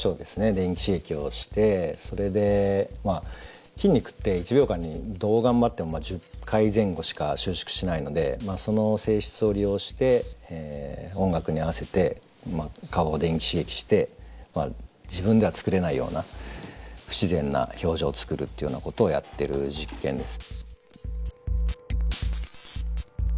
電気刺激をしてそれで筋肉って１秒間にどう頑張っても１０回前後しか収縮しないのでその性質を利用して音楽に合わせて顔を電気刺激して自分では作れないような不自然な表情を作るというようなことをやってる実験です。